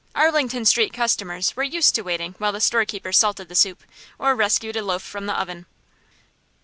Arlington Street customers were used to waiting while the storekeeper salted the soup or rescued a loaf from the oven.